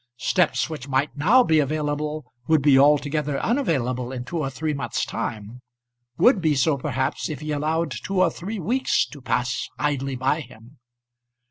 Steps which might now be available would be altogether unavailable in two or three months' time would be so, perhaps, if he allowed two or three weeks to pass idly by him.